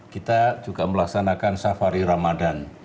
kita juga melaksanakan safari ramadan